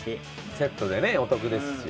セットでねお得ですし。